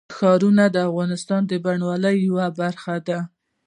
ښارونه د افغانستان د بڼوالۍ یوه برخه ده.